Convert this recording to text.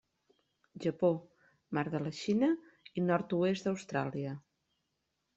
Japó, Mar de la Xina i nord-oest d'Austràlia.